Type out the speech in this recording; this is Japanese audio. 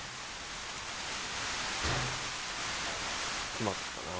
決まったな。